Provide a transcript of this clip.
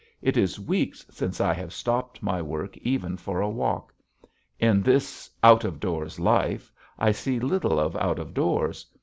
It is weeks since I have stopped my work even for a walk. In this "out of doors life" I see little of out of doors.